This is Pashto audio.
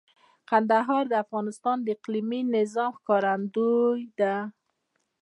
کندهار د افغانستان د اقلیمي نظام ښکارندوی ده.